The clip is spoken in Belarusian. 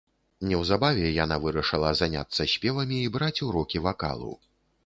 Неўзабаве яна вырашыла заняцца спевамі і браць урокі вакалу.